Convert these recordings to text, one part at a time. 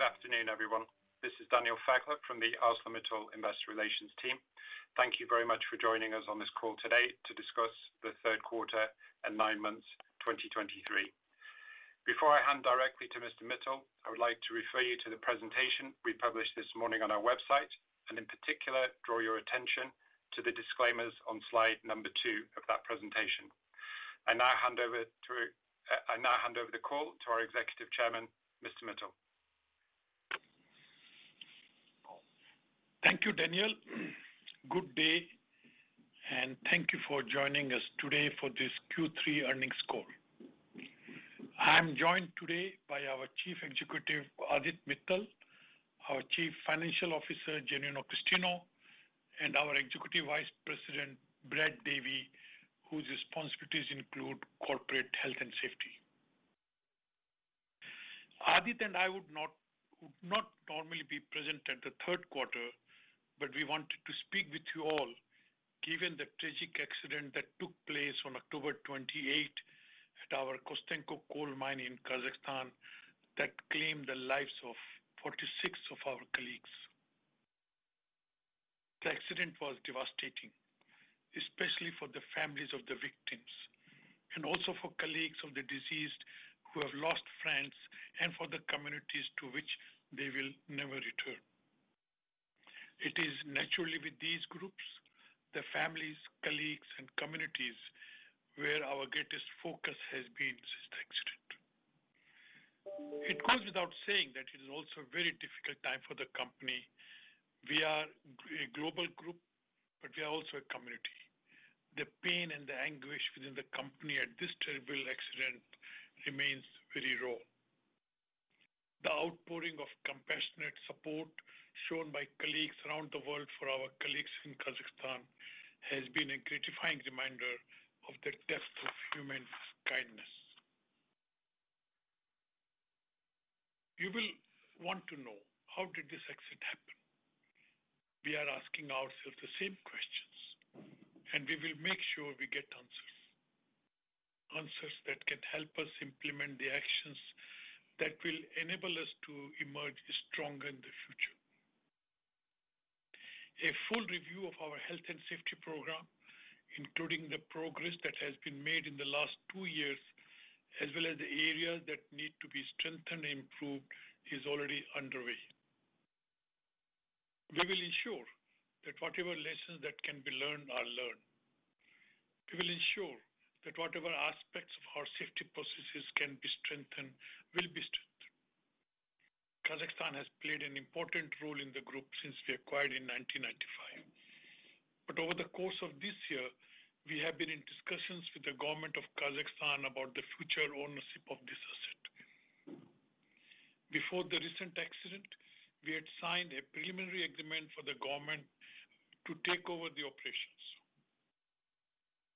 Good afternoon, everyone. This is Daniel Fairclough from the ArcelorMittal Investor Relations team. Thank you very much for joining us on this call today to discuss the third quarter and 9 months, 2023. Before I hand directly to Mr. Mittal, I would like to refer you to the presentation we published this morning on our website, and in particular, draw your attention to the disclaimers on slide number two of that presentation. I now hand over to... I now hand over the call to our Executive Chairman, Mr. Mittal. Thank you, Daniel. Good day, and thank you for joining us today for this Q3 earnings call. I'm joined today by our Chief Executive, Adit Mittal, our Chief Financial Officer, Genuino Christino, and our Executive Vice President, Brad Davey, whose responsibilities include Corporate Health and Safety. Adit and I would not, would not normally be present at the third quarter, but we wanted to speak with you all, given the tragic accident that took place on October 28 at our Kostenko coal mine in Kazakhstan, that claimed the lives of 46 of our colleagues. The accident was devastating, especially for the families of the victims, and also for colleagues of the deceased who have lost friends, and for the communities to which they will never return. It is naturally with these groups, the families, colleagues, and communities, where our greatest focus has been since the accident. It goes without saying that it is also a very difficult time for the company. We are a global group, but we are also a community. The pain and the anguish within the company at this terrible accident remains very raw. The outpouring of compassionate support shown by colleagues around the world for our colleagues in Kazakhstan has been a gratifying reminder of the depth of human kindness. You will want to know: How did this accident happen? We are asking ourselves the same questions, and we will make sure we get answers. Answers that can help us implement the actions that will enable us to emerge stronger in the future. A full review of our health and safety program, including the progress that has been made in the last 2 years, as well as the areas that need to be strengthened and improved, is already underway. We will ensure that whatever lessons that can be learned are learned. We will ensure that whatever aspects of our safety processes can be strengthened, will be strengthened. Kazakhstan has played an important role in the group since we acquired in 1995. But over the course of this year, we have been in discussions with the government of Kazakhstan about the future ownership of this asset. Before the recent accident, we had signed a preliminary agreement for the government to take over the operations.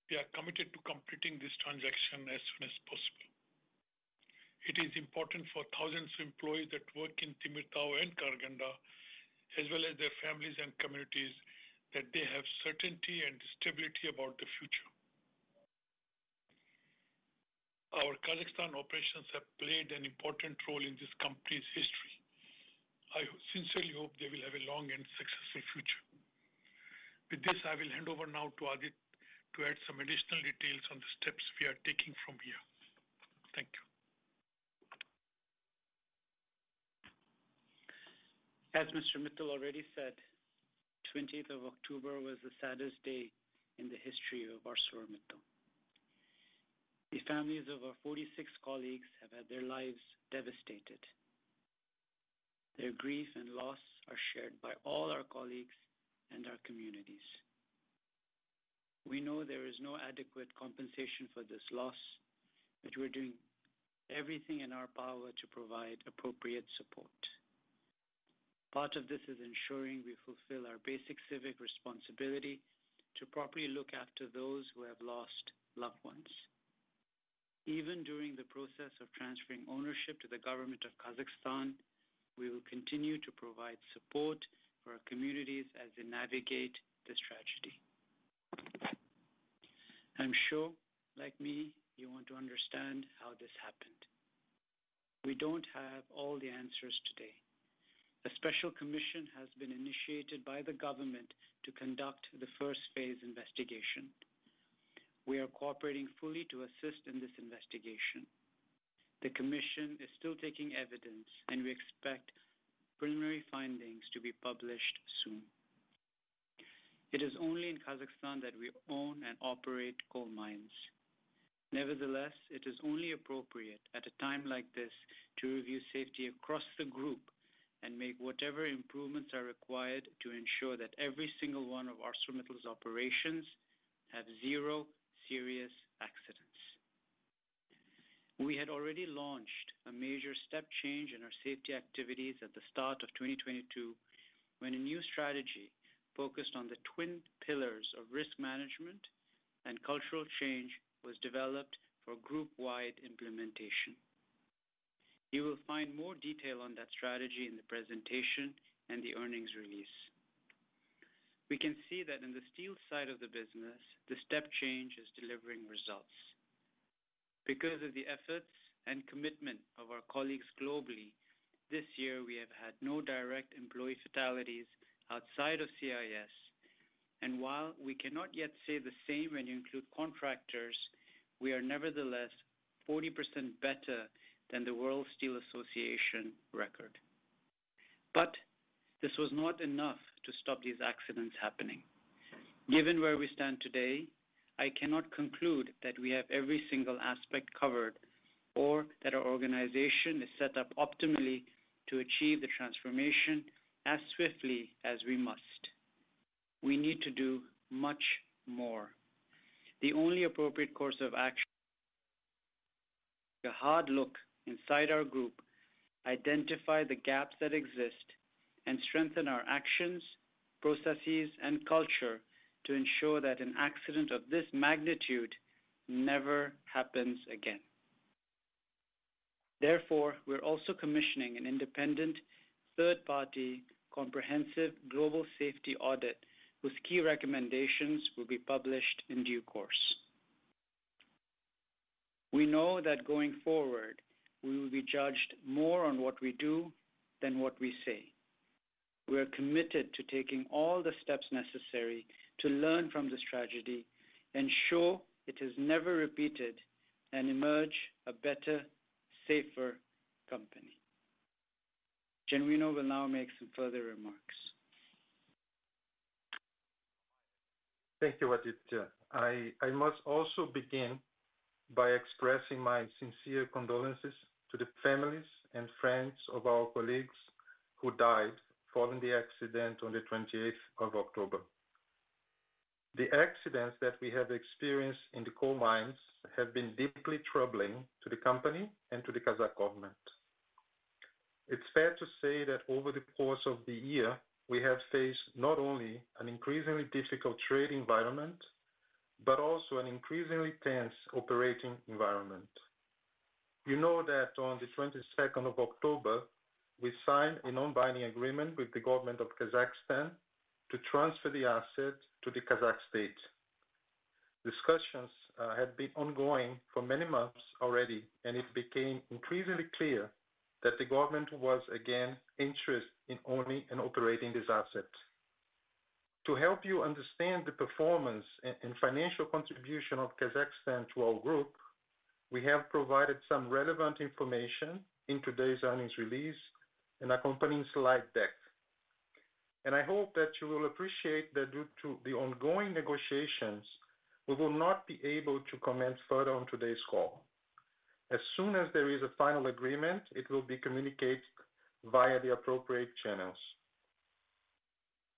We are committed to completing this transaction as soon as possible. It is important for thousands of employees that work in Temirtau and Karaganda, as well as their families and communities, that they have certainty and stability about the future. Our Kazakhstan operations have played an important role in this company's history. I sincerely hope they will have a long and successful future. With this, I will hand over now to Adit to add some additional details on the steps we are taking from here. Thank you. As Mr. Mittal already said, 28th of October was the saddest day in the history of ArcelorMittal. The families of our 46 colleagues have had their lives devastated. Their grief and loss are shared by all our colleagues and our communities. We know there is no adequate compensation for this loss, but we're doing everything in our power to provide appropriate support. Part of this is ensuring we fulfill our basic civic responsibility to properly look after those who have lost loved ones. Even during the process of transferring ownership to the government of Kazakhstan, we will continue to provide support for our communities as they navigate this tragedy. I'm sure, like me, you want to understand how this happened. We don't have all the answers today. A special commission has been initiated by the government to conduct the first phase investigation. We are cooperating fully to assist in this investigation. The commission is still taking evidence, and we expect preliminary findings to be published soon. It is only in Kazakhstan that we own and operate coal mines. Nevertheless, it is only appropriate at a time like this to review safety across the group and make whatever improvements are required to ensure that every single one of ArcelorMittal's operations have zero serious accidents. We had already launched a major step change in our safety activities at the start of 2022, when a new strategy focused on the twin pillars of risk management and cultural change was developed for group-wide implementation. You will find more detail on that strategy in the presentation and the earnings release. We can see that in the steel side of the business, the step change is delivering results. Because of the efforts and commitment of our colleagues globally, this year we have had no direct employee fatalities outside of CIS. While we cannot yet say the same when you include contractors, we are nevertheless 40% better than the World Steel Association record. This was not enough to stop these accidents happening. Given where we stand today, I cannot conclude that we have every single aspect covered or that our organization is set up optimally to achieve the transformation as swiftly as we must. We need to do much more. The only appropriate course of action, a hard look inside our group, identify the gaps that exist, and strengthen our actions, processes, and culture to ensure that an accident of this magnitude never happens again. Therefore, we're also commissioning an independent, third-party, comprehensive global safety audit, whose key recommendations will be published in due course. We know that going forward, we will be judged more on what we do than what we say. We are committed to taking all the steps necessary to learn from this tragedy, ensure it is never repeated, and emerge a better, safer company. Genuino will now make some further remarks. Thank you, Aditya. I must also begin by expressing my sincere condolences to the families and friends of our colleagues who died following the accident on the 28th of October. The accidents that we have experienced in the coal mines have been deeply troubling to the company and to the Kazakh government. It's fair to say that over the course of the year, we have faced not only an increasingly difficult trade environment, but also an increasingly tense operating environment. You know that on the 22nd of October, we signed a non-binding agreement with the government of Kazakhstan to transfer the asset to the Kazakh state. Discussions had been ongoing for many months already, and it became increasingly clear that the government was, again, interested in owning and operating this asset. To help you understand the performance and financial contribution of Kazakhstan to our group, we have provided some relevant information in today's earnings release and accompanying slide deck. I hope that you will appreciate that due to the ongoing negotiations, we will not be able to comment further on today's call. As soon as there is a final agreement, it will be communicated via the appropriate channels.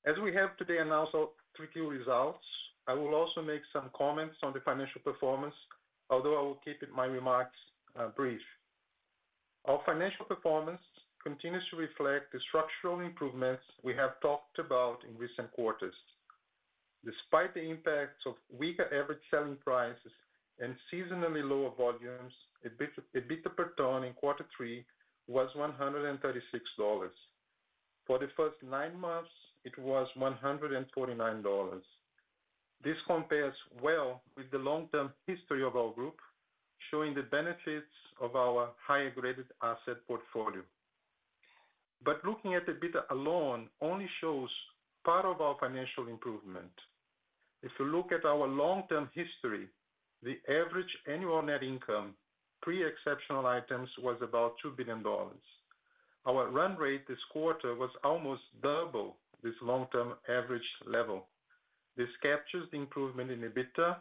As we have today announced our 3Q results, I will also make some comments on the financial performance, although I will keep my remarks brief. Our financial performance continues to reflect the structural improvements we have talked about in recent quarters. Despite the impacts of weaker average selling prices and seasonally lower volumes, EBITDA per ton in quarter three was $136. For the first 9 months, it was $149. This compares well with the long-term history of our group, showing the benefits of our higher-graded asset portfolio. But looking at EBITDA alone only shows part of our financial improvement. If you look at our long-term history, the average annual net income, pre-exceptional items, was about $2 billion. Our run rate this quarter was almost double this long-term average level. This captures the improvement in EBITDA,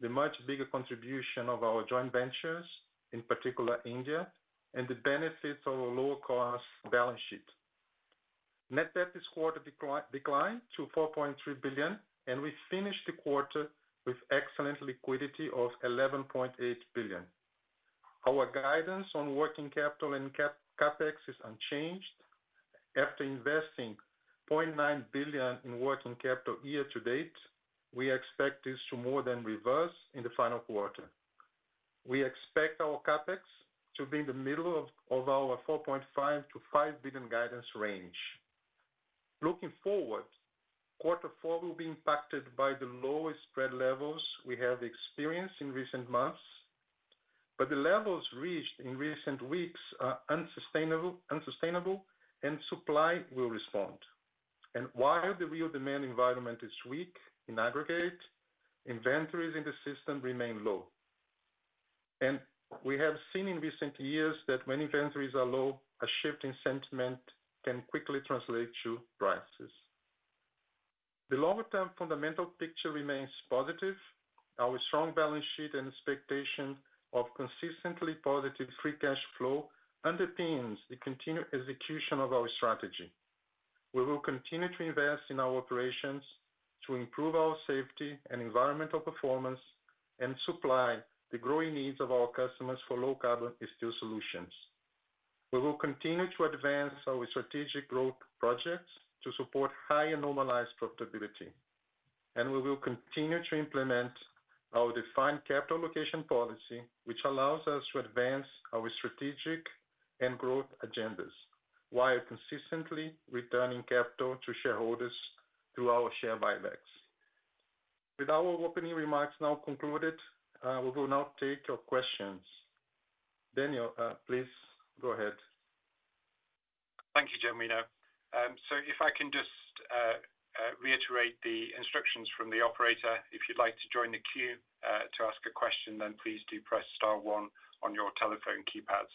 the much bigger contribution of our joint ventures, in particular, India, and the benefits of a lower-cost balance sheet. Net debt this quarter declined to $4.3 billion, and we finished the quarter with excellent liquidity of $11.8 billion. Our guidance on working capital and CapEx is unchanged. After investing $0.9 billion in working capital year to date, we expect this to more than reverse in the final quarter. We expect our CapEx to be in the middle of our $4.5 billion-$5 billion guidance range. Looking forward, quarter four will be impacted by the lowest spread levels we have experienced in recent months, but the levels reached in recent weeks are unsustainable, unsustainable, and supply will respond. While the real demand environment is weak in aggregate, inventories in the system remain low. We have seen in recent years that when inventories are low, a shift in sentiment can quickly translate to prices. The longer-term fundamental picture remains positive. Our strong balance sheet and expectation of consistently positive free cash flow underpins the continued execution of our strategy. We will continue to invest in our operations to improve our safety and environmental performance, and supply the growing needs of our customers for low-carbon steel solutions. We will continue to advance our strategic growth projects to support higher normalized profitability... and we will continue to implement our defined capital allocation policy, which allows us to advance our strategic and growth agendas, while consistently returning capital to shareholders through our share buybacks. With our opening remarks now concluded, we will now take your questions. Daniel, please go ahead. Thank you, Genuino. So if I can just reiterate the instructions from the operator, if you'd like to join the queue to ask a question, then please do press star one on your telephone keypads.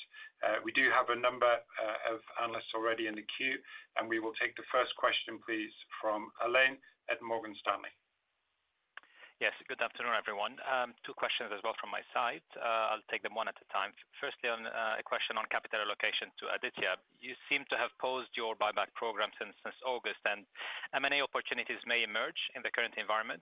We do have a number of analysts already in the queue, and we will take the first question, please, from Alain at Morgan Stanley. Yes, good afternoon, everyone. Two questions as well from my side. I'll take them one at a time. Firstly, on a question on capital allocation to Aditya. You seem to have paused your buyback program since, since August, and M&A opportunities may emerge in the current environment.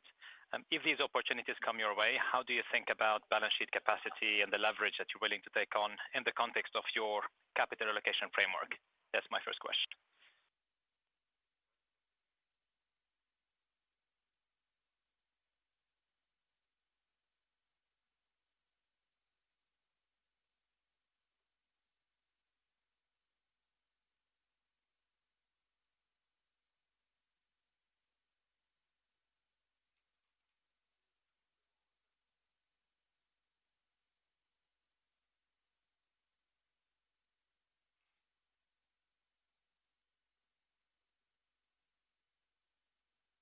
If these opportunities come your way, how do you think about balance sheet capacity and the leverage that you're willing to take on in the context of your capital allocation framework? That's my first question.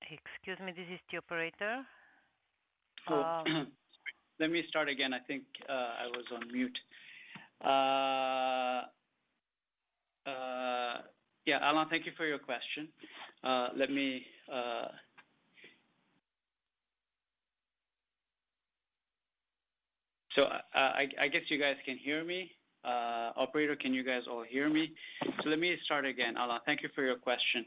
Excuse me, this is the operator. Let me start again. I think I was on mute. Yeah, Alain, thank you for your question. Let me... So I guess you guys can hear me? Operator, can you guys all hear me? So let me start again. Alain, thank you for your question.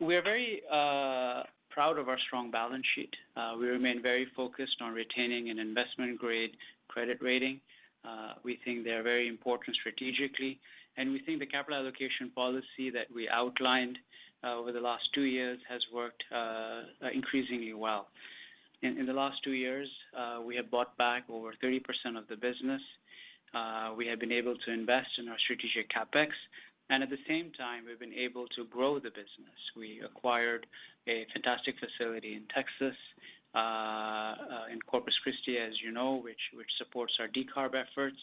We are very proud of our strong balance sheet. We remain very focused on retaining an investment-grade credit rating. We think they are very important strategically, and we think the capital allocation policy that we outlined over the last 2 years has worked increasingly well. In the last 2 years, we have bought back over 30% of the business. We have been able to invest in our strategic CapEx, and at the same time, we've been able to grow the business. We acquired a fantastic facility in Texas, in Corpus Christi, as you know, which supports our decarb efforts.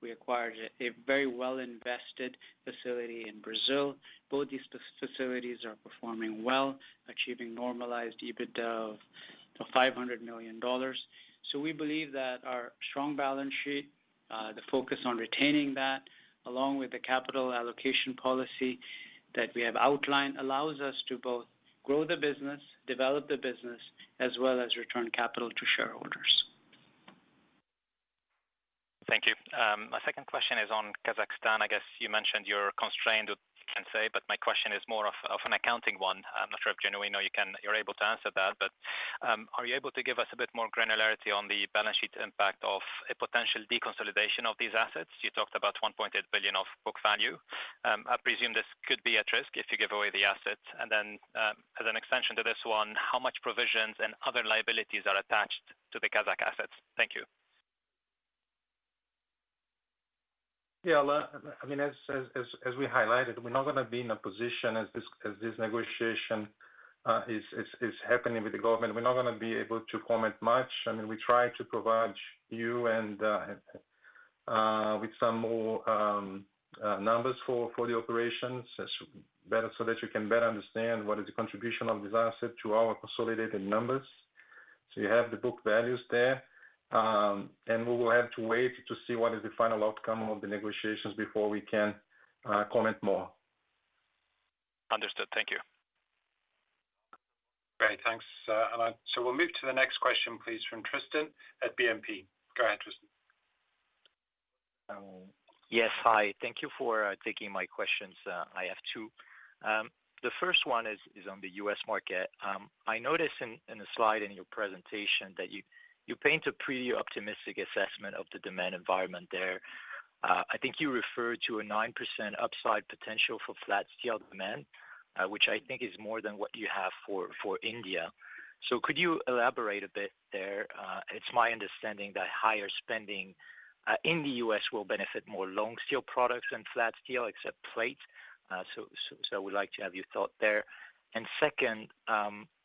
We acquired a very well-invested facility in Brazil. Both these facilities are performing well, achieving normalized EBITDA of $500 million. So we believe that our strong balance sheet, the focus on retaining that, along with the capital allocation policy that we have outlined, allows us to both grow the business, develop the business, as well as return capital to shareholders. Thank you. My second question is on Kazakhstan. I guess you mentioned you're constrained with what you can say, but my question is more of an accounting one. I'm not sure if, Genuino, you're able to answer that, but are you able to give us a bit more granularity on the balance sheet impact of a potential deconsolidation of these assets? You talked about $1.8 billion of book value. I presume this could be at risk if you give away the assets. And then, as an extension to this one, how much provisions and other liabilities are attached to the Kazakh assets? Thank you. Yeah, Alain, I mean, as we highlighted, we're not going to be in a position as this negotiation is happening with the government. We're not going to be able to comment much. I mean, we try to provide you and with some more numbers for the operations, better so that you can better understand what is the contribution of this asset to our consolidated numbers. So you have the book values there, and we will have to wait to see what is the final outcome of the negotiations before we can comment more. Understood. Thank you. Great. Thanks, Alain. So we'll move to the next question, please, from Tristan at BNP. Go ahead, Tristan. Yes, hi. Thank you for taking my questions. I have two. The first one is on the U.S. market. I noticed in a slide in your presentation that you paint a pretty optimistic assessment of the demand environment there. I think you referred to a 9% upside potential for flat steel demand, which I think is more than what you have for India. So could you elaborate a bit there? It's my understanding that higher spending in the U.S. will benefit more long steel products than flat steel, except plates. So would like to have your thought there. And second,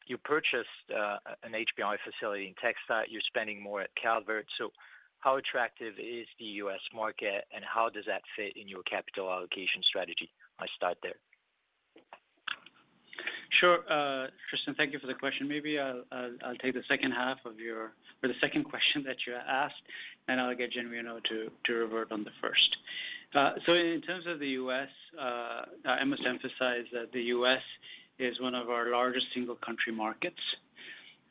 you purchased an HBI facility in Texas. You're spending more at Calvert. So how attractive is the U.S. market, and how does that fit in your capital allocation strategy? I start there. Sure. Tristan, thank you for the question. Maybe I'll take the second half of your... Or the second question that you asked, and I'll get Genuino to revert on the first. So in terms of the U.S., I must emphasize that the U.S. is one of our largest single country markets.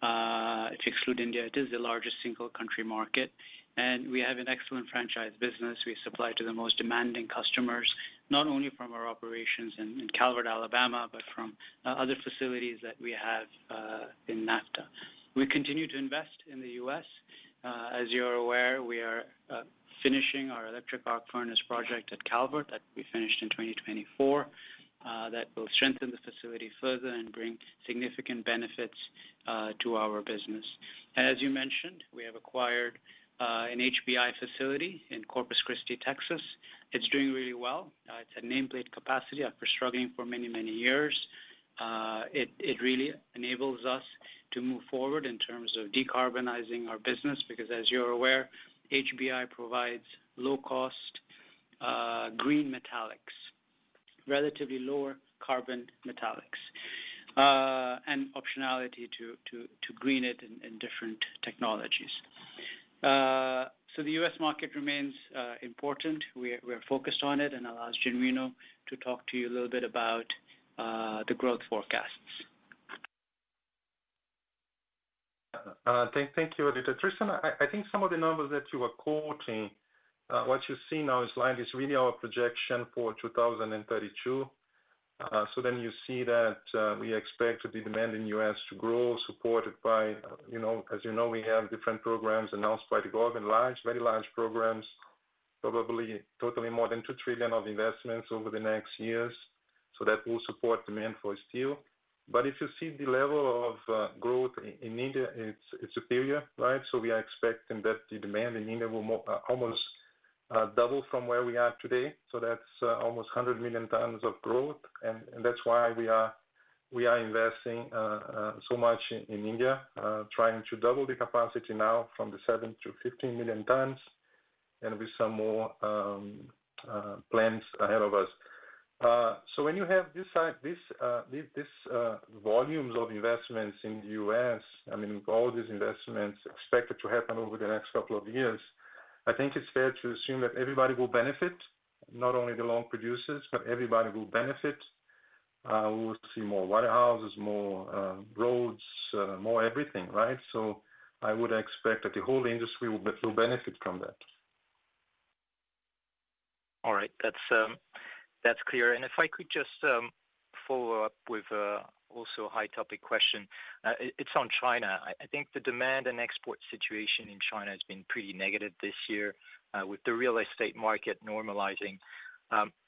If you exclude India, it is the largest single country market, and we have an excellent franchise business. We supply to the most demanding customers, not only from our operations in Calvert, Alabama, but from other facilities that we have in NAFTA. We continue to invest in the U.S. As you're aware, we are finishing our electric arc furnace project at Calvert. That will be finished in 2024. That will strengthen the facility further and bring significant benefits to our business. As you mentioned, we have acquired an HBI facility in Corpus Christi, Texas. It's doing really well. It's at nameplate capacity after struggling for many, many years. It really enables us to move forward in terms of decarbonizing our business, because as you're aware, HBI provides low cost green metallics, relatively lower carbon metallics, and optionality to green it in different technologies. So the U.S. market remains important. We are focused on it and allow Genuino to talk to you a little bit about the growth forecasts. Thank you, Aditya. Tristan, I think some of the numbers that you were quoting, what you see now is like, is really our projection for 2032. So then you see that, we expect the demand in U.S. to grow, supported by, you know, as you know, we have different programs announced by the government, large, very large programs, probably totaling more than $2 trillion of investments over the next years. So that will support demand for steel. But if you see the level of, growth in India, it's, it's superior, right? So we are expecting that the demand in India will almost, double from where we are today. So that's almost 100 million tons of growth, and that's why we are investing so much in India, trying to double the capacity now from 7 million-15 million tons and with some more plans ahead of us. So when you have this side, this volumes of investments in the U.S., I mean, all these investments expected to happen over the next couple of years, I think it's fair to assume that everybody will benefit. Not only the long producers, but everybody will benefit. We will see more warehouses, more roads, more everything, right? So I would expect that the whole industry will benefit from that. All right. That's, that's clear. And if I could just, follow up with, also a high topic question. It, it's on China. I, I think the demand and export situation in China has been pretty negative this year, with the real estate market normalizing.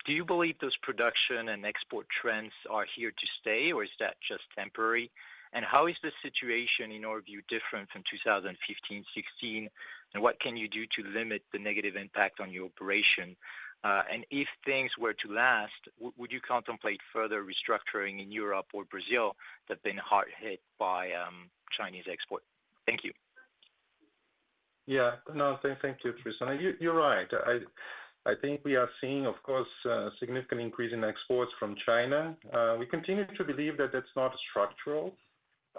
Do you believe those production and export trends are here to stay, or is that just temporary? And how is the situation, in your view, different from 2015, 2016, and what can you do to limit the negative impact on your operation? And if things were to last, would, would you contemplate further restructuring in Europe or Brazil that have been hard hit by, Chinese export? Thank you. Yeah. No, thank you, Tristan. You're right. I think we are seeing, of course, a significant increase in exports from China. We continue to believe that that's not structural.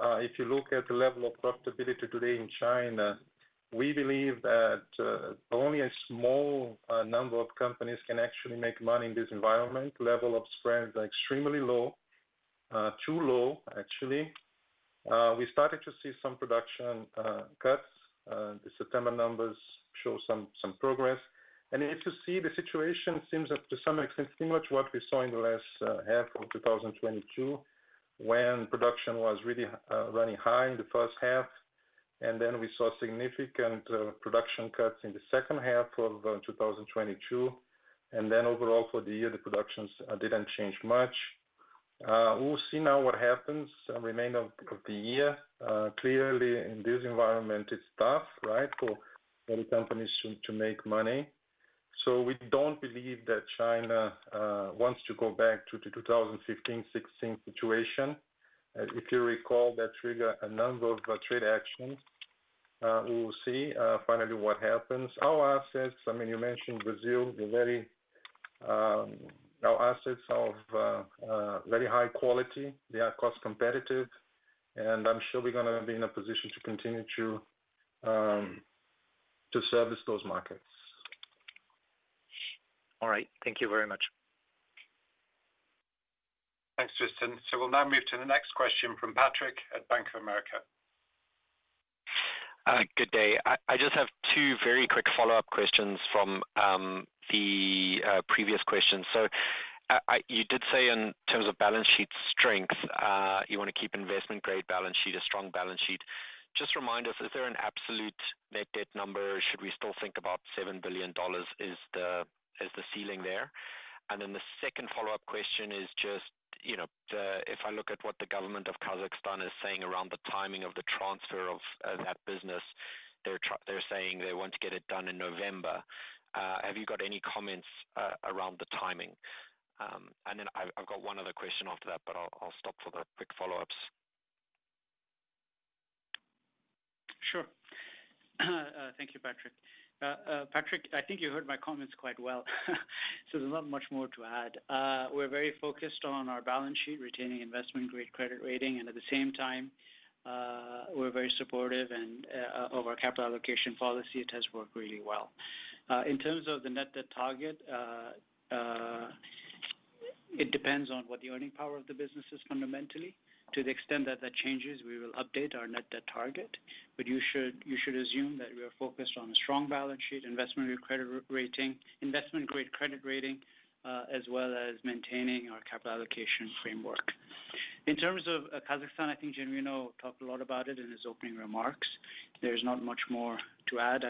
If you look at the level of profitability today in China, we believe that only a small number of companies can actually make money in this environment. Level of spreads are extremely low, too low, actually. We started to see some production cuts. The September numbers show some progress. And if you see, the situation seems that to some extent, similar to what we saw in the last half of 2022, when production was really running high in the first half, and then we saw significant production cuts in the second half of 2022, and then overall for the year, the productions didn't change much. We'll see now what happens remainder of the year. Clearly, in this environment, it's tough, right, for many companies to make money. So we don't believe that China wants to go back to the 2015, 2016 situation. If you recall, that triggered a number of trade actions. We will see finally, what happens. Our assets, I mean, you mentioned Brazil, they're very. Our assets are of very high quality. They are cost competitive, and I'm sure we're gonna be in a position to continue to service those markets. All right. Thank you very much. Thanks, Tristan. We'll now move to the next question from Patrick at Bank of America. Good day. I just have two very quick follow-up questions from the previous question. So you did say in terms of balance sheet strength, you want to keep investment-grade balance sheet, a strong balance sheet. Just remind us, is there an absolute net debt number? Should we still think about $7 billion is the ceiling there? And then the second follow-up question is just, you know, if I look at what the government of Kazakhstan is saying around the timing of the transfer of that business, they're saying they want to get it done in November. Have you got any comments around the timing? And then I've got one other question after that, but I'll stop for the quick follow-ups. Sure. Thank you, Patrick. Patrick, I think you heard my comments quite well, so there's not much more to add. We're very focused on our balance sheet, retaining investment-grade credit rating, and at the same time, we're very supportive and of our capital allocation policy. It has worked really well. In terms of the net debt target, it depends on what the earning power of the business is fundamentally. To the extent that that changes, we will update our net debt target. But you should assume that we are focused on a strong balance sheet, investment-grade credit rating, as well as maintaining our capital allocation framework. In terms of Kazakhstan, I think Genuino talked a lot about it in his opening remarks. There's not much more to add.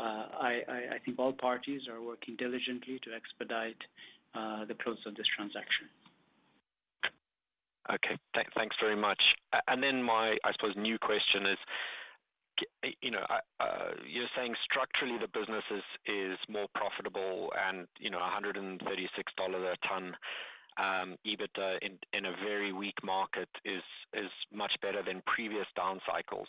I think all parties are working diligently to expedite the close of this transaction. Okay. Thanks very much. And then my, I suppose, new question is, you know, I, you're saying structurally, the business is, is more profitable and, you know, $136 a ton EBITDA in a very weak market is much better than previous down cycles.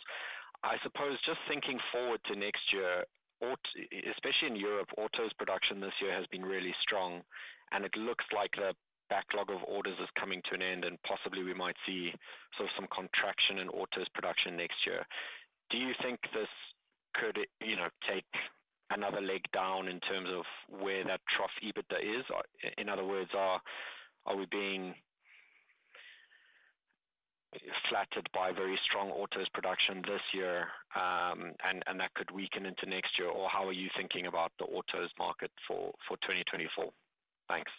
I suppose just thinking forward to next year, auto production, especially in Europe, has been really strong, and it looks like the backlog of orders is coming to an end, and possibly we might see sort of some contraction in autos production next year. Do you think this could, you know, take another leg down in terms of where that trough EBITDA is? Or in other words, are we being flattered by very strong autos production this year, and that could weaken into next year? Or how are you thinking about the autos market for 2024? Thanks.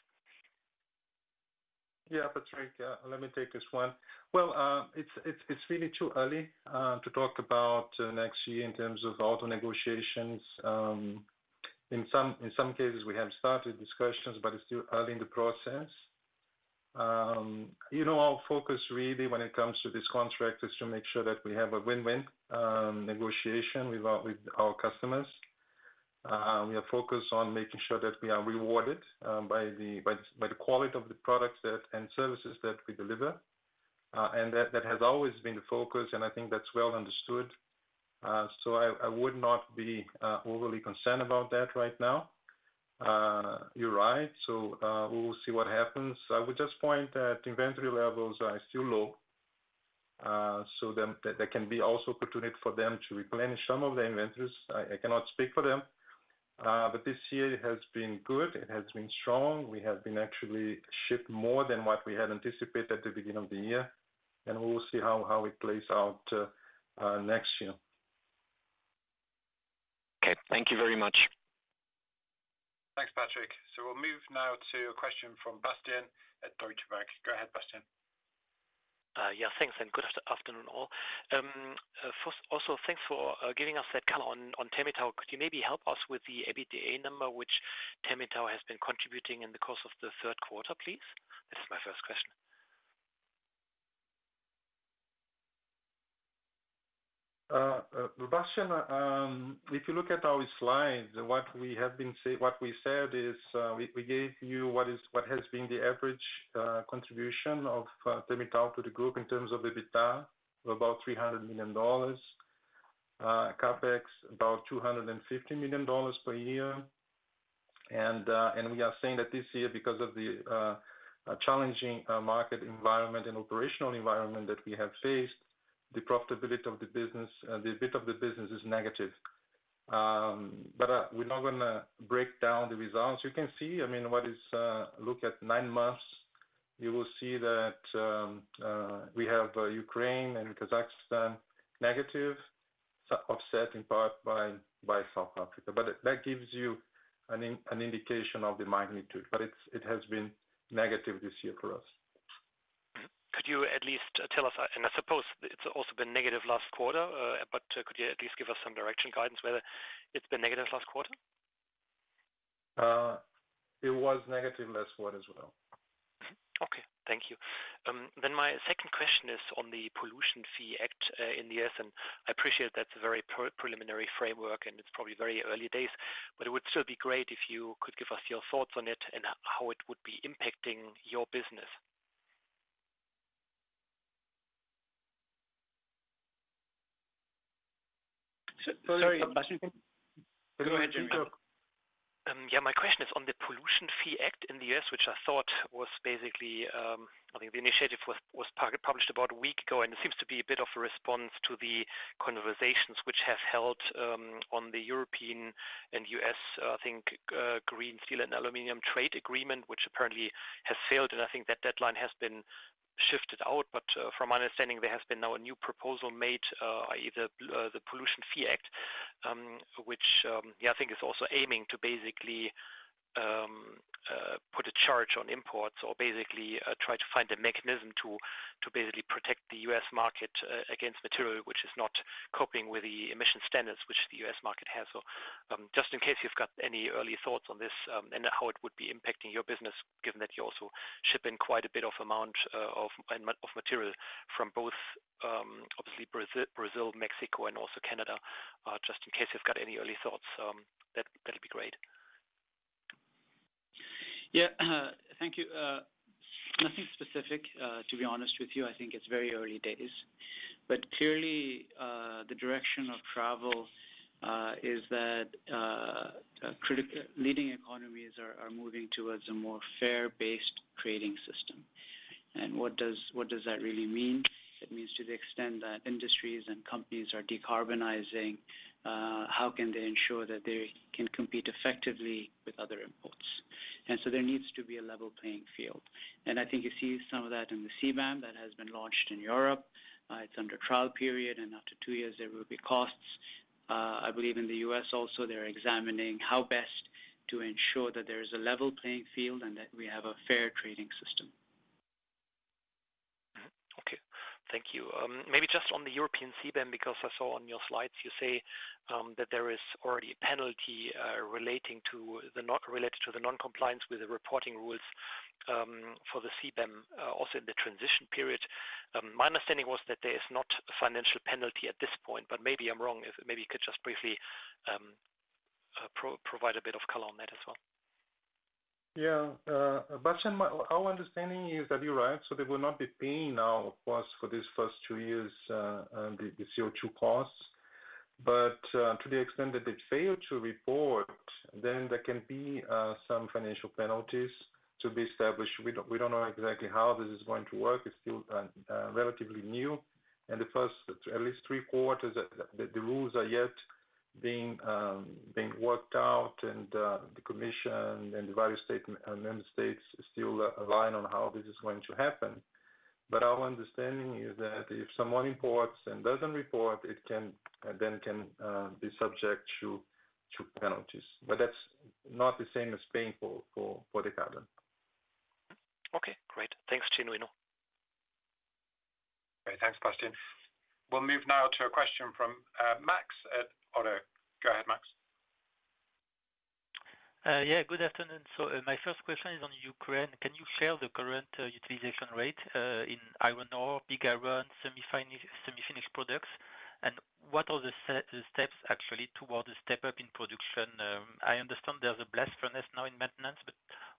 Yeah, Patrick, let me take this one. Well, it's really too early to talk about next year in terms of auto negotiations. In some cases, we have started discussions, but it's still early in the process. You know, our focus, really, when it comes to this contract, is to make sure that we have a win-win negotiation with our customers. We are focused on making sure that we are rewarded by the quality of the products and services that we deliver, and that has always been the focus, and I think that's well understood. So I would not be overly concerned about that right now. You're right, so we will see what happens. I would just point that inventory levels are still low, so then there can be also opportunity for them to replenish some of the inventories. I cannot speak for them, but this year has been good. It has been strong. We have been actually shipped more than what we had anticipated at the beginning of the year, and we will see how it plays out next year. Okay, thank you very much. Thanks, Patrick. So we'll move now to a question from Bastian at Deutsche Bank. Go ahead, Bastian. Yeah, thanks, and good afternoon, all. First, also, thanks for giving us that color on Temirtau. Could you maybe help us with the EBITDA number, which Temirtau has been contributing in the course of the third quarter, please? This is my first question. Bastian, if you look at our slides, what we said is, we gave you what has been the average contribution of Temirtau to the group in terms of EBITDA, about $300 million, CapEx, about $250 million per year. And we are saying that this year, because of the challenging market environment and operational environment that we have faced, the profitability of the business, the EBITDA of the business is negative. But we're not gonna break down the results. You can see, I mean, look at 9 months, you will see that we have Ukraine and Kazakhstan negative, offset in part by South Africa. But that gives you an indication of the magnitude, but it's, it has been negative this year for us. Could you at least tell us, and I suppose it's also been negative last quarter, but could you at least give us some direction guidance, whether it's been negative last quarter? It was negative last quarter as well. Okay, thank you. Then my second question is on the Pollution Fee Act, in the U.S., and I appreciate that's a very preliminary framework, and it's probably very early days, but it would still be great if you could give us your thoughts on it and how it would be impacting your business. Sorry, Bastian. Go ahead. Yeah, my question is on the Pollution Fee Act in the U.S., which I thought was basically, I think the initiative was published about a week ago, and it seems to be a bit of a response to the conversations which have held on the European and U.S., I think, green steel and aluminum trade agreement, which apparently has failed, and I think that deadline has been shifted out. But from my understanding, there has been now a new proposal made, i.e., the Pollution Fee Act, which, yeah, I think is also aiming to basically put a charge on imports or basically try to find a mechanism to basically protect the U.S. market against material which is not coping with the emission standards which the U.S. market has. So, just in case you've got any early thoughts on this, and how it would be impacting your business, given that you also ship in quite a bit of amount of material from both, obviously, Brazil, Brazil, Mexico, and also Canada. Just in case you've got any early thoughts, that'd be great. Yeah, thank you. Nothing specific, to be honest with you. I think it's very early days, but clearly, the direction of travel is that leading economies are moving towards a more fair-based trading system. And what does that really mean? It means to the extent that industries and companies are decarbonizing, how can they ensure that they can compete effectively with other imports? And so there needs to be a level playing field. And I think you see some of that in the CBAM that has been launched in Europe. It's under trial period, and after 2 years, there will be costs. I believe in the U.S. also, they're examining how best to ensure that there is a level playing field and that we have a fair trading system. Mm-hmm. Okay. Thank you. Maybe just on the European CBAM, because I saw on your slides you say that there is already a penalty relating to the non-compliance with the reporting rules for the CBAM also in the transition period. My understanding was that there is not a financial penalty at this point, but maybe I'm wrong. If maybe you could just briefly provide a bit of color on that as well. Yeah, Bastian, our understanding is that you're right, so they will not be paying now of course, for these first 2 years, the CO₂ costs. But, to the extent that they fail to report, then there can be some financial penalties to be established. We don't know exactly how this is going to work. It's still relatively new, and the first at least three quarters, the rules are yet being worked out, and the commission and the various state, and member states still align on how this is going to happen. But our understanding is that if someone imports and doesn't report, it can be subject to penalties. But that's not the same as paying for the carbon. Okay, great. Thanks, Genuino. Great, thanks, Bastian. We'll move now to a question from Max at ODDO. Go ahead, Max. Yeah, good afternoon. So my first question is on Ukraine. Can you share the current utilization rate in iron ore, pig iron, semi-finished products? And what are the steps actually toward the step-up in production? I understand there's a blast furnace now in maintenance, but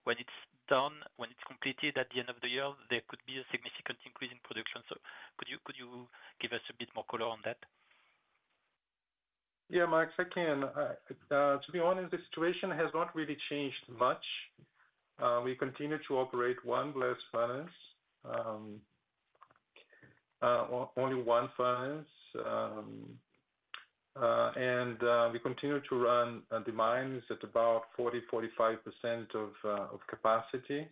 when it's done, when it's completed at the end of the year, there could be a significant increase in production. So could you, could you give us a bit more color on that? Yeah, Max, I can. To be honest, the situation has not really changed much. We continue to operate one blast furnace, only one furnace. And we continue to run the mines at about 40%-45% of capacity.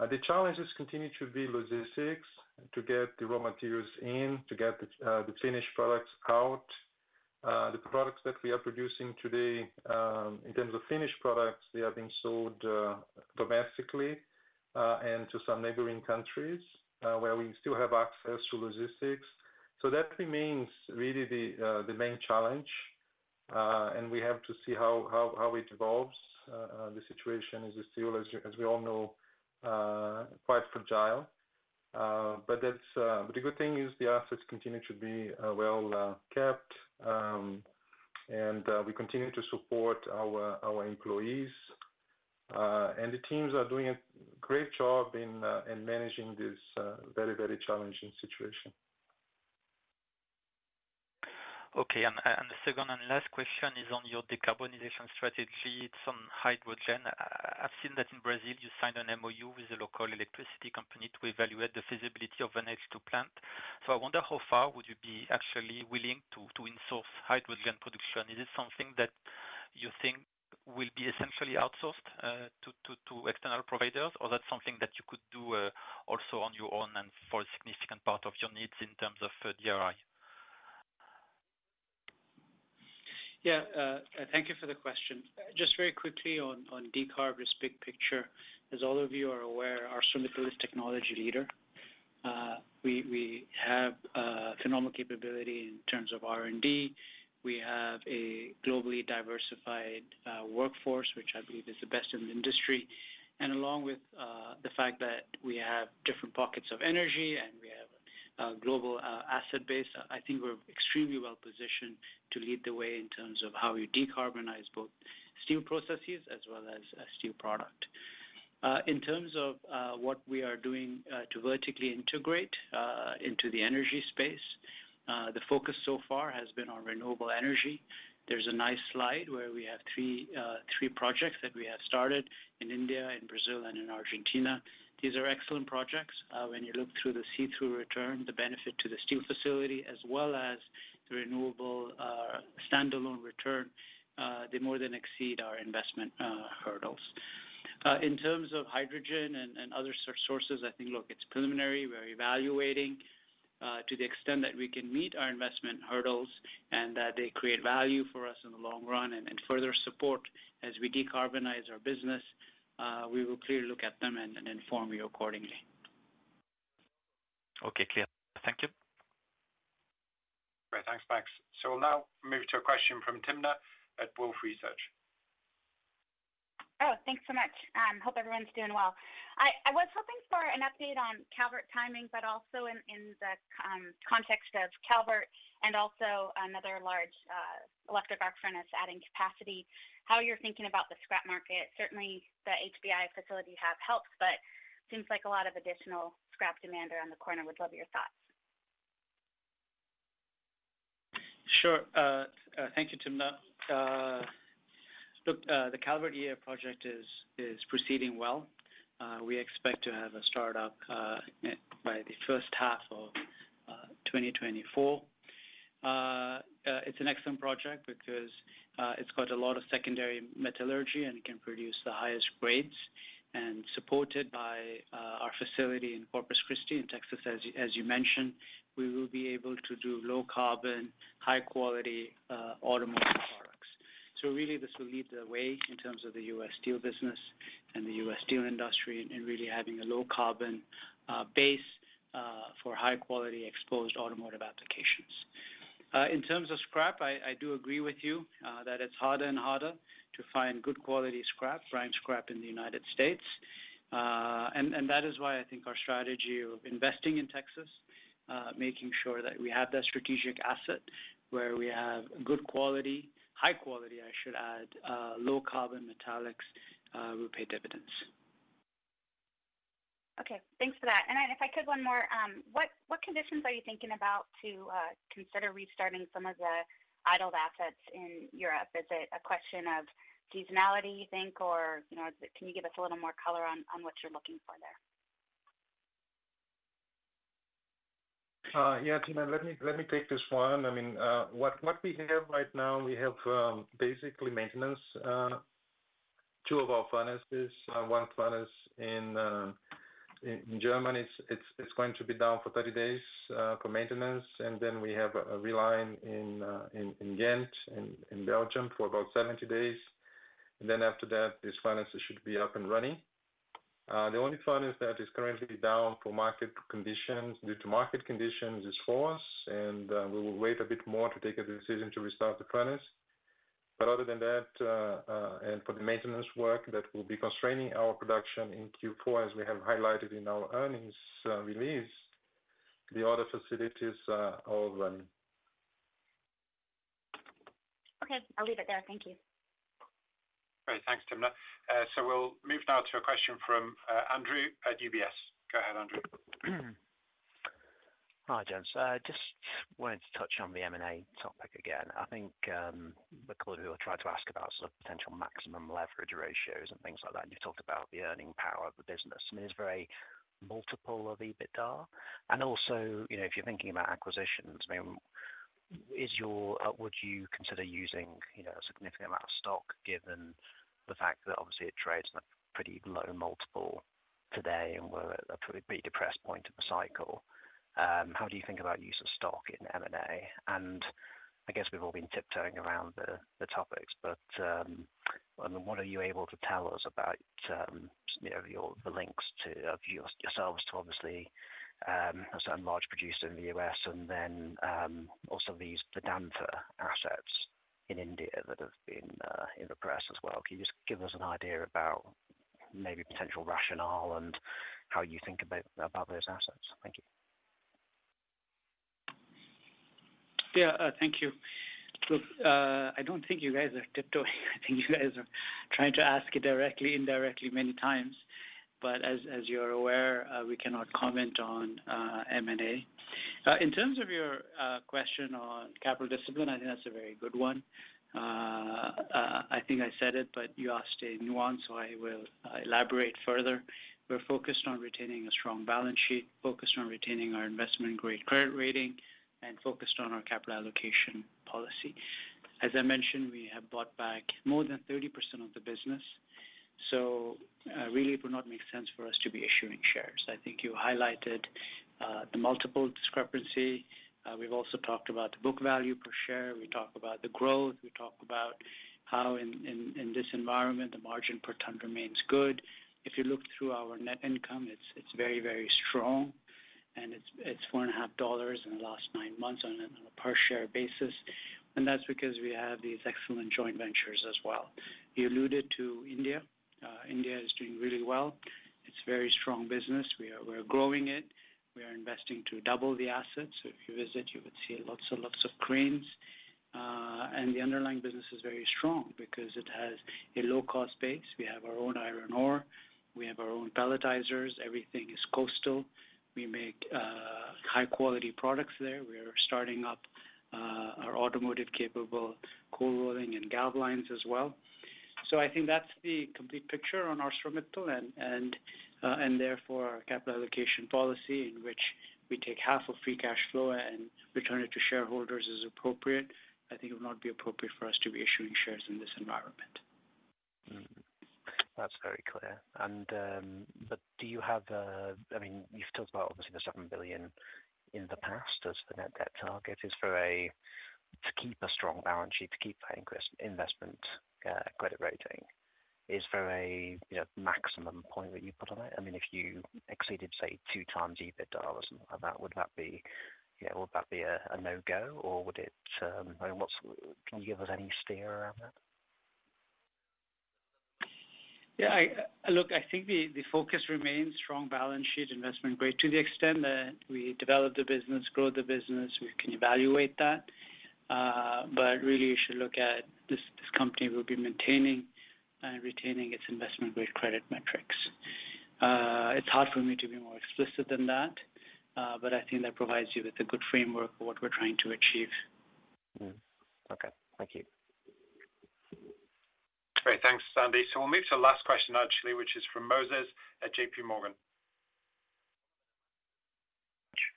The challenges continue to be logistics, to get the raw materials in, to get the finished products out. The products that we are producing today, in terms of finished products, they are being sold domestically and to some neighboring countries where we still have access to logistics. So that remains really the main challenge, and we have to see how it evolves. The situation is still, as we all know, quite fragile. But that's... But the good thing is the assets continue to be kept. We continue to support our employees, and the teams are doing a great job in managing this very, very challenging situation. Okay, the second and last question is on your decarbonization strategy. It's on hydrogen. I've seen that in Brazil, you signed an MOU with a local electricity company to evaluate the feasibility of an H₂ plant. So I wonder how far would you be actually willing to insource hydrogen production? Is this something that you think will be essentially outsourced to external providers, or that's something that you could do also on your own and for a significant part of your needs in terms of DRI? Yeah, thank you for the question. Just very quickly on decarb risk, big picture. As all of you are aware, ArcelorMittal is technology leader. We have phenomenal capability in terms of R&D. We have a globally diversified workforce, which I believe is the best in the industry. Along with the fact that we have different pockets of energy and we have a global asset base, I think we're extremely well-positioned to lead the way in terms of how we decarbonize both steel processes as well as steel product. In terms of what we are doing to vertically integrate into the energy space, the focus so far has been on renewable energy. There's a nice slide where we have three projects that we have started in India, in Brazil, and in Argentina. These are excellent projects. When you look through the see-through return, the benefit to the steel facility, as well as the renewable, standalone return, they more than exceed our investment hurdles. In terms of hydrogen and other sources, I think, look, it's preliminary. We're evaluating, to the extent that we can meet our investment hurdles and that they create value for us in the long run and further support as we decarbonize our business, we will clearly look at them and inform you accordingly. Okay, clear. Thank you. Great, thanks, Max. So we'll now move to a question from Timna at Wolfe Research. Oh, thanks so much. Hope everyone's doing well. I was hoping for an update on Calvert timing, but also in the context of Calvert and also another large electric arc furnace adding capacity, how you're thinking about the scrap market. Certainly, the HBI facilities have helped, but seems like a lot of additional scrap demand around the corner. Would love your thoughts. Sure. Thank you, Timna. Look, the Calvert EAF project is proceeding well. We expect to have a start-up by the first half of 2024. It's an excellent project because it's got a lot of secondary metallurgy, and it can produce the highest grades. And supported by our facility in Corpus Christi, in Texas, as you mentioned, we will be able to do low carbon, high quality automotive products. So really, this will lead the way in terms of the U.S. steel business and the U.S. steel industry in really having a low carbon base for high quality exposed automotive applications. In terms of scrap, I do agree with you that it's harder and harder to find good quality scrap, prime scrap in the United States. That is why I think our strategy of investing in Texas, making sure that we have that strategic asset where we have good quality, high quality, I should add, low carbon metallics, will pay dividends. Okay, thanks for that. If I could, one more, what conditions are you thinking about to consider restarting some of the idled assets in Europe? Is it a question of seasonality, you think, or, you know, can you give us a little more color on what you're looking for there? Yeah, Timna, let me take this one. I mean, what we have right now, we have basically maintenance two of our furnaces. One furnace in Germany, it's going to be down for 30 days for maintenance, and then we have a reline in Ghent, in Belgium, for about 70 days. And then after that, these furnaces should be up and running. The only furnace that is currently down due to market conditions is for us, and we will wait a bit more to take a decision to restart the furnace. But other than that, and for the maintenance work, that will be constraining our production in Q4, as we have highlighted in our earnings release, the other facilities are all running. Okay, I'll leave it there. Thank you. Great. Thanks, Timna. So we'll move now to a question from Andrew at UBS. Go ahead, Andrew. Hi, gents. Just wanted to touch on the M&A topic again. I think, because we were trying to ask about sort of potential maximum leverage ratios and things like that, and you talked about the earning power of the business. I mean, it's very multiple of EBITDA. And also, you know, if you're thinking about acquisitions, I mean, is your- would you consider using, you know, a significant amount of stock, given the fact that obviously it trades at a pretty low multiple today, and we're at a pretty depressed point of the cycle? How do you think about use of stock in M&A? I guess we've all been tiptoeing around the topics, but I mean, what are you able to tell us about, you know, the links of yourselves to obviously a certain large producer in the U.S., and then also these Vedanta assets in India that have been in the press as well? Can you just give us an idea about maybe potential rationale and how you think about those assets? Thank you. Yeah, thank you. Look, I don't think you guys are tiptoeing. I think you guys are trying to ask it directly, indirectly, many times. But as you're aware, we cannot comment on M&A. In terms of your question on capital discipline, I think that's a very good one. I think I said it, but you asked a nuance, so I will elaborate further. We're focused on retaining a strong balance sheet, focused on retaining our investment-grade credit rating, and focused on our capital allocation policy. As I mentioned, we have bought back more than 30% of the business, so really it would not make sense for us to be issuing shares. I think you highlighted the multiple discrepancy. We've also talked about the book value per share, we talked about the growth, we talked about how in this environment, the margin per ton remains good. If you look through our net income, it's very, very strong, and it's $4.50 in the last 9 months on a per-share basis. And that's because we have these excellent joint ventures as well. You alluded to India. India is doing really well. It's a very strong business. We're growing it. We are investing to double the assets. So if you visit, you would see lots and lots of cranes. And the underlying business is very strong because it has a low-cost base. We have our own iron ore, we have our own pelletizers, everything is coastal. We make high-quality products there. We are starting up our automotive capable cold rolling and gal lines as well. So I think that's the complete picture on ArcelorMittal, and therefore, our capital allocation policy, in which we take half of free cash flow and return it to shareholders as appropriate. I think it would not be appropriate for us to be issuing shares in this environment. Mm-hmm. That's very clear. But do you have, I mean, you've talked about obviously the $7 billion in the past as the net debt target is to keep a strong balance sheet, to keep high investment credit rating. Is there a, you know, maximum point that you put on it? I mean, if you exceeded, say, 2x EBITDA or something like that, would that be, yeah, would that be a no-go, or would it, I mean, what can you give us any steer around that? Yeah, look, I think the focus remains strong balance sheet, investment grade. To the extent that we develop the business, grow the business, we can evaluate that. But really, you should look at this. This company will be maintaining and retaining its investment-grade credit metrics. It's hard for me to be more explicit than that, but I think that provides you with a good framework for what we're trying to achieve. Mm-hmm. Okay. Thank you.... Great, thanks, Andy. So we'll move to the last question actually, which is from Moses at JPMorgan. Thank you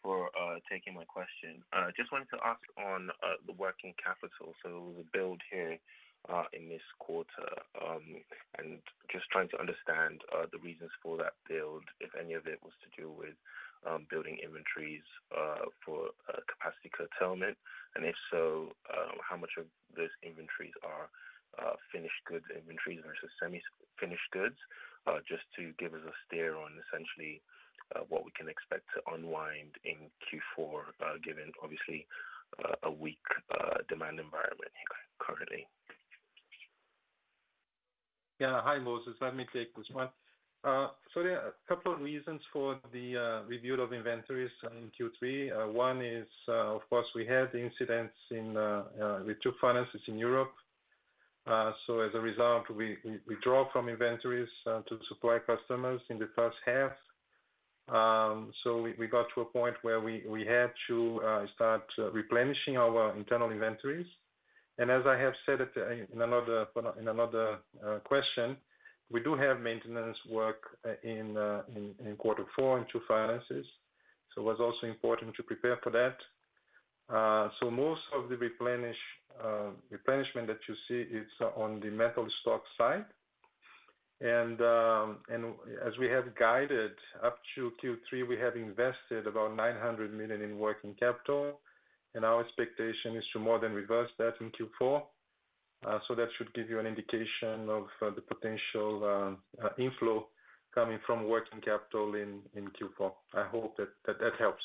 for taking my question. Just wanted to ask on the working capital. So the build here in this quarter, and just trying to understand the reasons for that build, if any of it was to do with building inventories for capacity curtailment. And if so, how much of those inventories are finished goods inventories versus semi-finished goods? Just to give us a steer on essentially what we can expect to unwind in Q4, given obviously a weak demand environment currently. Yeah. Hi, Moses. Let me take this one. So there are a couple of reasons for the review of inventories in Q3. One is, of course, we had the incidents with two furnaces in Europe. So as a result, we withdrew from inventories to supply customers in the first half. So we got to a point where we had to start replenishing our internal inventories. And as I have said it in another question, we do have maintenance work in quarter four and two furnaces. So it was also important to prepare for that. So most of the replenishment that you see is on the metal stock side. And as we have guided up to Q3, we have invested about $900 million in working capital, and our expectation is to more than reverse that in Q4. So that should give you an indication of the potential inflow coming from working capital in Q4. I hope that helps.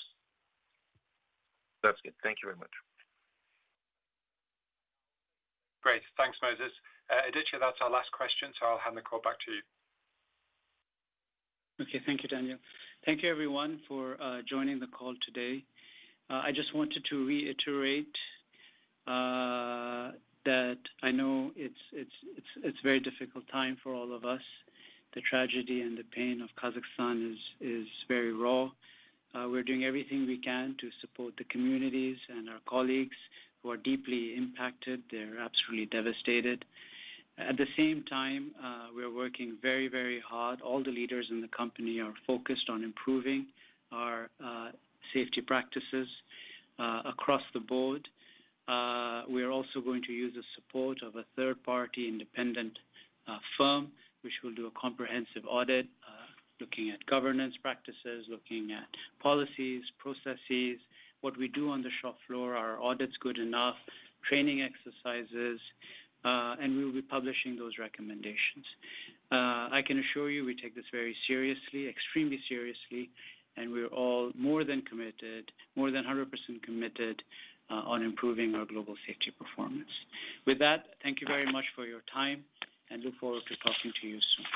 That's good. Thank you very much. Great. Thanks, Moses. Aditya, that's our last question, so I'll hand the call back to you. Okay. Thank you, Daniel. Thank you everyone for joining the call today. I just wanted to reiterate that I know it's a very difficult time for all of us. The tragedy and the pain of Kazakhstan is very raw. We're doing everything we can to support the communities and our colleagues who are deeply impacted. They're absolutely devastated. At the same time, we are working very, very hard. All the leaders in the company are focused on improving our safety practices across the board. We are also going to use the support of a third-party independent firm, which will do a comprehensive audit looking at governance practices, looking at policies, processes, what we do on the shop floor, are our audits good enough, training exercises, and we will be publishing those recommendations. I can assure you, we take this very seriously, extremely seriously, and we're all more than committed, more than 100% committed, on improving our global safety performance. With that, thank you very much for your time, and look forward to talking to you soon.